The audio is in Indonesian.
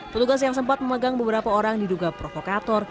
petugas yang sempat memegang beberapa orang diduga provokator